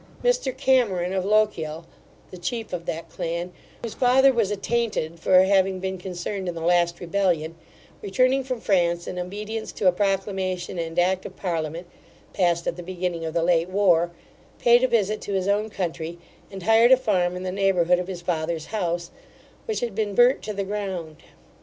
Mr Cameron of Lochiel, the chief of that clan, whose father was attainted for having been concerned in the last rebellion, returning from France in obedience to a proclamation and act of parliament, passed at the beginning of the late war, payed a visit to his own country, and hired a farm in the neighbourhood of his father's house, which had been burnt to the ground.